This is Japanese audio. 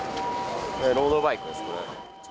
ロードバイクです。